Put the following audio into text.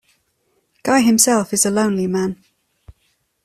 Guy himself is a lonely man.